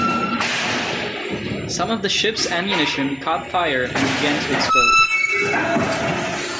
Some of the ship's ammunition caught fire and began to explode.